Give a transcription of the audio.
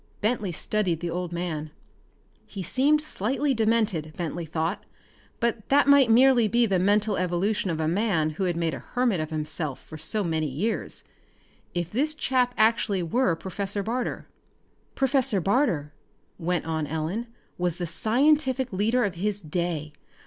Bentley studied the old man. He seemed slightly demented, Bentley thought, but that might be merely the mental evolution of a man who had made a hermit of himself for so many years if this chap actually were Professor Barter. "Professor Barter," went on Ellen, "was the scientific leader of his day.